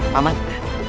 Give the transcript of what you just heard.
paman mau ikut